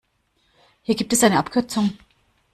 Hier gibt es eine Abkürzung.